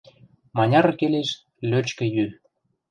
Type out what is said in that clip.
Маняры келеш — лӧчкӹ йӱ.